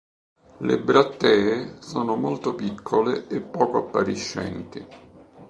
Le brattee sono molto piccole e poco appariscenti.